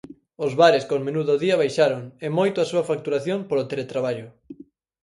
Os bares con menú do día baixaron, e moito a súa facturación polo teletraballo.